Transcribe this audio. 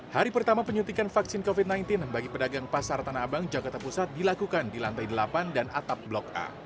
hari pertama penyuntikan vaksin covid sembilan belas bagi pedagang pasar tanah abang jakarta pusat dilakukan di lantai delapan dan atap blok a